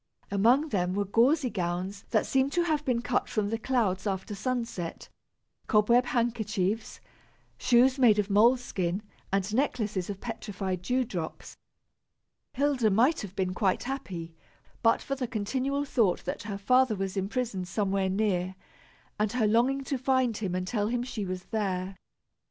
Among them were gauzy gowns that seemed to have been cut from the clouds after sunset, cobweb handkerchiefs, shoes made of mole skin, and necklaces of petrified dew drops. Hilda might have been quite happy but for the continual thought that her father was imprisoned somewhere near, and her longing to find him and tell him she was there.